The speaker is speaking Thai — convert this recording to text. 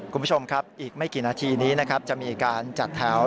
คุณผู้ชมครับอีกไม่กี่นาทีนี้นะครับจะมีการจัดแถว